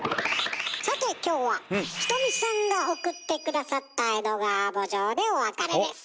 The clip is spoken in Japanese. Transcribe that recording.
さて今日はひとみさんが送って下さった「江戸川慕情」でお別れです。